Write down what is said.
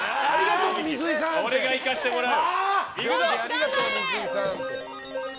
俺が行かせてもらう。